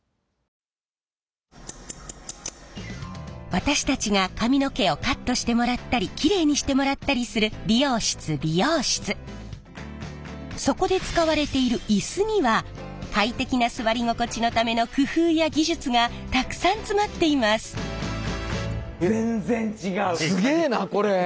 私たちが髪の毛をカットしてもらったりきれいにしてもらったりするそこで使われているイスには快適な座り心地のための工夫や技術がたくさん詰まっています。